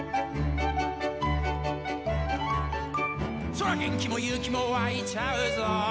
「そら元気も勇気もわいちゃうぞ」